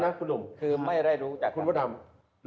คือไม่ได้รู้จัก